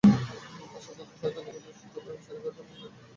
আশা করছি, সরকার নির্বাচনের সুষ্ঠু পরিবেশ তৈরি করে জনগণের রায়কে সম্মান জানাবে।